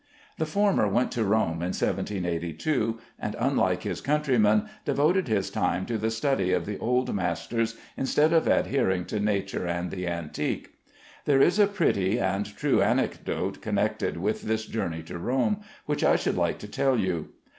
The former went to Rome in 1782, and, unlike his countrymen, devoted his time to the study of the old masters instead of adhering to nature and the antique. There is a pretty and true anecdote connected with this journey to Rome, which I should like to tell you.